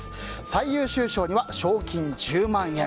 最優秀賞には賞金１０万円。